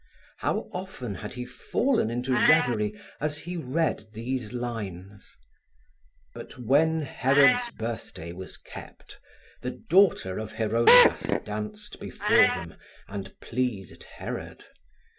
How often had he fallen into revery, as he read these lines: But when Herod's birthday was kept, the daughter of Herodias danced before them, and pleased Herod.